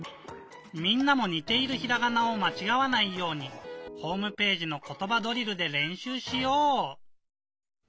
みんなもにているひらがなをまちがわないようにホームページの「ことばドリル」でれんしゅうしよう！